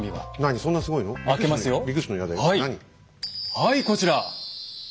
はいこちら！